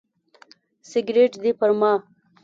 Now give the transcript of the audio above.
سګرټ دې پر ما.